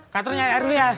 katurnya air dulu ya